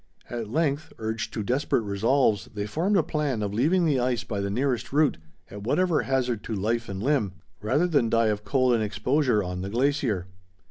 At length, urged to desperate resolves, they formed a plan of leaving the ice by the nearest route, at whatever hazard to life and limb, rather than die of cold and exposure on the glacier.